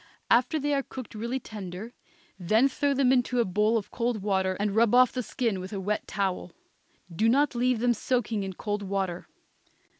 After they are cooked really tender, then throw them into a bowl of cold water and rub off the skin with a wet towel. Do not leave them soaking in cold water.